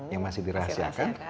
yang masih dirahasiakan